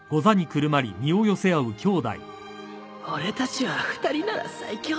俺たちは２人なら最強だ